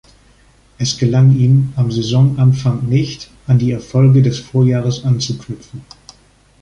Es gelang ihm am Saisonanfang nicht, an die Erfolge des Vorjahres anzuknüpfen.